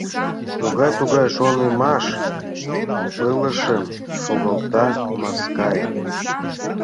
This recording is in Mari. — Могай-тугай шонымаш? — пылышым шогалта Маскаев.